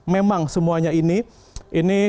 memang semuanya ini